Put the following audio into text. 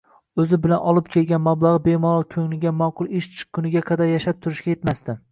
Oʻzi bilan olib kelgan mablagʻi bemalol koʻngliga maqul ish chiqquniga qadar yashab turishga yetmasdi.